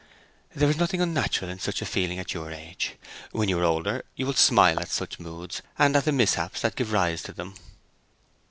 'There is nothing unnatural in such feeling at your age. When you are older you will smile at such moods, and at the mishaps that gave rise to them.'